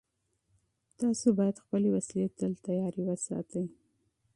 تاسو باید خپلې وسلې تل چمتو وساتئ.